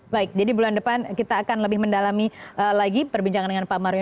baik jadi bulan depan kita akan lebih mendalami lagi perbincangan dengan pak mario